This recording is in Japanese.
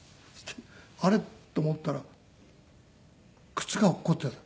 あれ？と思ったら靴が落っこってる。